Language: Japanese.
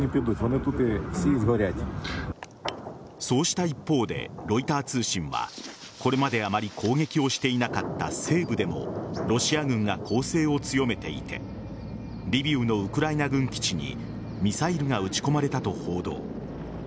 そうした一方でロイター通信はこれまであまり攻撃をしていなかった西部でもロシア軍が攻勢を強めていてリビウのウクライナ軍基地にミサイルが撃ち込まれたと報道。